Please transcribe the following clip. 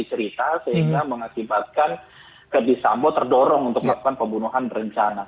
mencerita sehingga mengakibatkan ferdis sambu terdorong untuk melakukan pembunuhan berencana